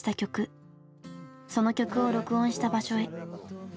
その曲を録音した場所へ。